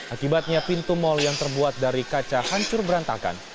akibatnya pintu mal yang terbuat dari kaca hancur berantakan